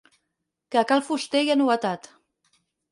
Que a cal fuster hi ha novetat.